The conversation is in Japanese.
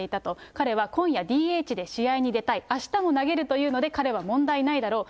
彼は今夜、ＤＨで試合に出たい、あしたも投げるというので彼は問題ないだろう。